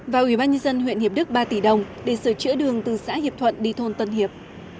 và ubnd huyện hiệp đức ba tỷ đồng để sửa chữa đường từ xã hiệp thuận đi thôn tân hiệp